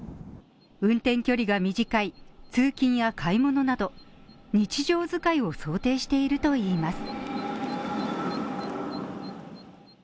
運転距離が短い通勤や買い物など日常使いを想定しているといいます。